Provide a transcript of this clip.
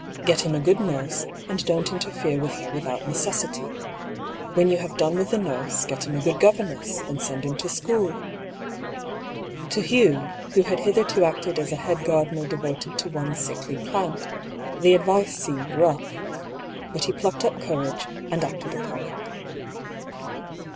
" Get him a good nurse, and don't interfere with her without necessity. When you have done with the nurse, get him a good governess ; then send him to school." To Hugh, who had hitherto acted as a head gardener devoted to one sickly plant, the advice seemed rough« But he plucked up courage, and acted upon it.